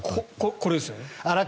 これですよね？